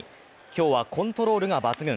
今日は、コントロールが抜群。